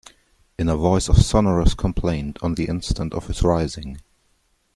In a voice of sonorous complaint on the instant of his rising.